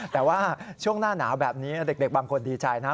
แต่ว่าช่วงหน้าหนาวแบบนี้เด็กบางคนดีใจนะ